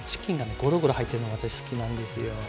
ゴロゴロ入ってるのが私好きなんですよ。